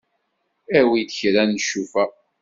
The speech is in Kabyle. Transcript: Awi-d kra n ccufa.